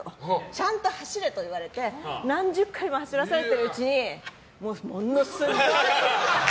ちゃんと走れと言われて何十回も走らされてるうちにものすごい。